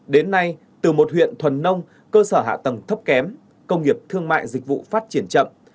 đến nay từ một huyện thuần nông cơ sở hạ tầng thấp kém công nghiệp thương mại dịch vụ phát triển chậm